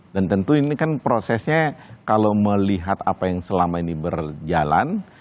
dan tentu ini kan prosesnya kalau melihat apa yang selama ini berjalan